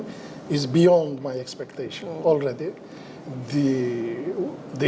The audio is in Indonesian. lebih dari kehargian saya